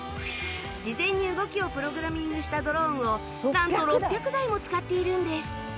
事前に動きをプログラミングしたドローンをなんと６００台も使っているんです